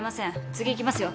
次行きますよ。